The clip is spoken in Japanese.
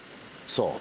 そう。